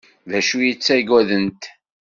D acu ay ttaggadent?